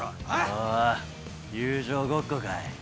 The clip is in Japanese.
おお友情ごっこかい。